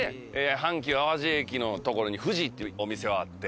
阪急淡路駅の所にふじっていうお店はあって。